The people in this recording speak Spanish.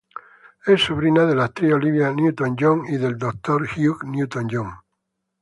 Es sobrina de la actriz Olivia Newton-John y del doctor Hugh Newton-John.